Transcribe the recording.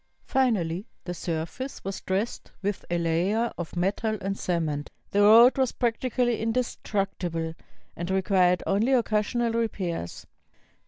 Finally, the surface was dressed with a layer of metal and cement. The road was prac tically indestructible, and required only occasional re pairs.